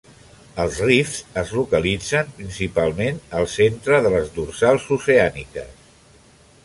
Els rifts es localitzen principalment al centre de les dorsals oceàniques.